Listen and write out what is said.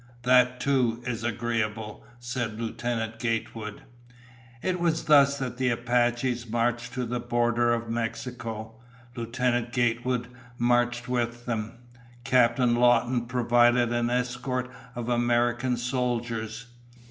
"That, too, is agreeable," said Lieutenant Gatewood. It was thus that the Apaches marched to the border of Mexico. Lieutenant Gatewood marched with them. Captain Lawton provided an escort of American soldiers.